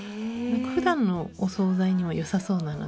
ふだんのお総菜にもよさそうなので。